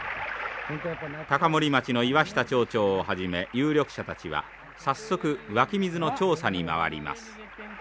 高森町の岩下町長をはじめ有力者たちは早速湧き水の調査に回ります。